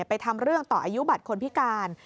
ทำเรื่องต่ออายุบัตรคนพิการ